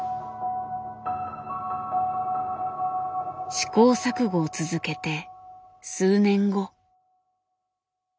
試行錯誤を続けて数年後。